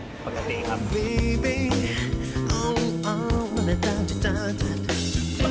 ดารากับนักแดงเขาทำร้านอาหารกันมาเยอะมาก